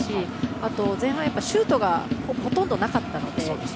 あと、前半シュートがほとんどなかったので。